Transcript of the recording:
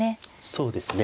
そうですね。